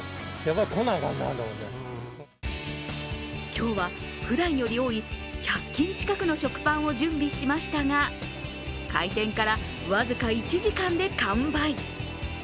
今日はふだんより多い１００斤近くの食パンを準備しましたが開店から僅か１時間で完売。